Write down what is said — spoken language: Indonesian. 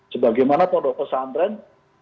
sebagaimana pendok pesantren